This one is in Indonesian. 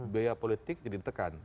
biaya politik tidak ditekan